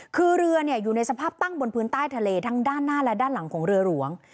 คือเรืออยู่ในสภาพตั้งบนพื้นใต้ทะเลทั้งด้านหน้าและด้านหลังของเรือหลวง